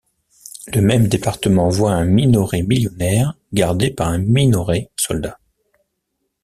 Le même département voit un Minoret millionnaire gardé par un Minoret soldat.